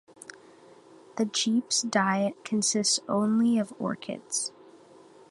The Jeep's diet consists only of orchids.